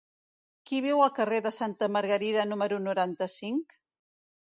Qui viu al carrer de Santa Margarida número noranta-cinc?